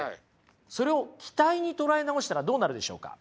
それを期待に捉え直したらどうなるでしょうか？